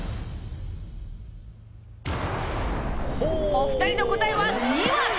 お二人の答えは２枠。